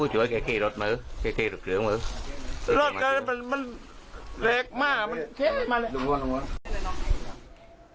ผู้ช่วยแค่เครียดรถมือเครียดรถเหลืองมือรถกันมันมันเล็กมากมันเครียดมาเลย